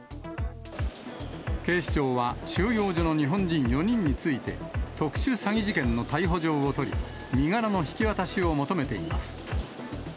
警視庁は、収容所の日本人４人について、特殊詐欺事件の逮捕状を取り、身柄の引き渡しを求めています。